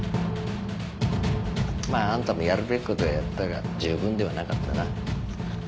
まああんたもやるべきことはやったが十分ではなかったな。